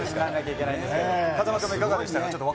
風間さんもいかがでしたか？